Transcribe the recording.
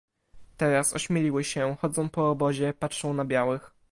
"Teraz ośmieliły się, chodzą po obozie, patrzą na białych."